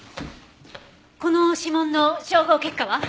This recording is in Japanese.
この指紋の照合結果は？